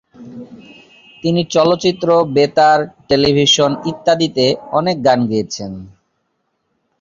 তিনি চলচ্চিত্র, বেতার, টেলিভিশন ইত্যাদিতে অনেক গান গেয়েছেন।